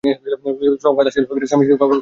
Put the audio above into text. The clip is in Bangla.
সংবাদ আসিল, স্বামীজীর খাবার প্রস্তুত হইয়াছে।